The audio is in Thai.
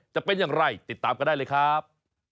จะเป็นอย่างไรติดตามกันได้เลยครับ